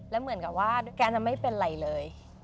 แล้วเหมือนกับว่าแกจะไม่เป็นไรเลย